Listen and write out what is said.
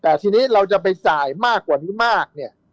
แต่ทีนี้เราจะไปจ่ายออกมากกว่านี้มาก